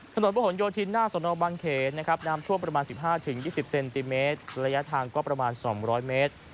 ถนนพระหลโยธินหน้าสนบังเขนนะครับน้ำท่วมประมาณ๑๕๒๐เซนติเมตรระยะทางก็ประมาณ๒๐๐เมตร